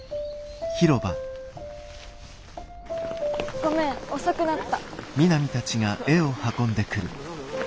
ごめん遅くなった。